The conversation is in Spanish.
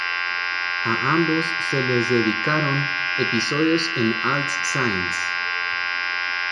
A ambos se les dedicaron episodios en All Saints.